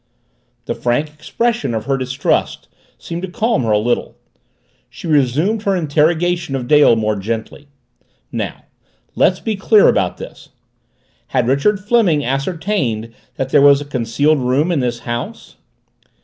The frank expression of her distrust seemed to calm her a little. She resumed her interrogation of Dale more gently. "Now, let's be clear about this. Had Richard Fleming ascertained that there was a concealed room in this house?"